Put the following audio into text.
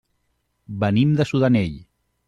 Venim de Sudanell.